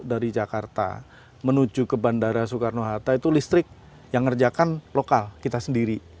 dari jakarta menuju ke bandara soekarno hatta itu listrik yang ngerjakan lokal kita sendiri